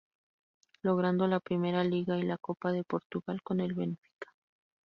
Logrando la Primeira Liga y la Copa de Portugal con el Benfica.